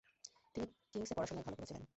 তিনি কিংসে পড়াশুনায় ভাল করেছিলেন।